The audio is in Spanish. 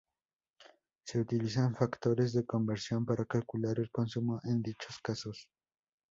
Se utilizan factores de conversión para calcular el consumo en dichos casos.